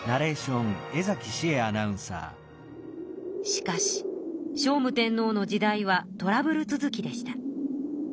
しかし聖武天皇の時代はトラブル続きでした。